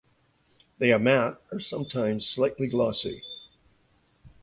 They are matte or sometimes slightly glossy.